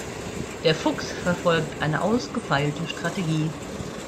Der Fuchs verfolgt eine ausgefeilte Strategie.